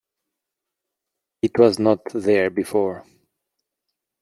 It was not there before.